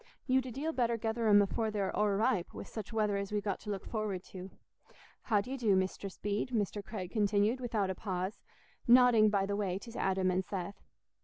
You'd a deal better gether 'em afore they're o'erripe, wi' such weather as we've got to look forward to. How do ye do, Mistress Bede?" Mr. Craig continued, without a pause, nodding by the way to Adam and Seth.